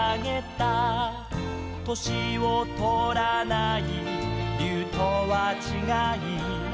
「年をとらない竜とはちがい」